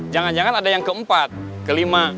jangan jangan ada yang keempat kelima